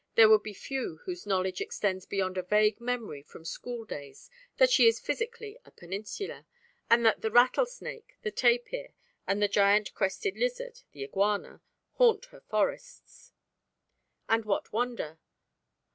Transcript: there would be few whose knowledge extends beyond a vague memory from schooldays that she is physically a peninsula, and that the rattlesnake, the tapir and the giant crested lizard the iguana haunt her forests. And what wonder?